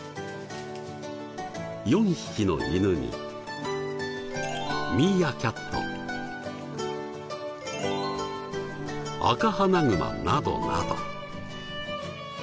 ４匹の犬にミーアキャットアカハナグマなどなど。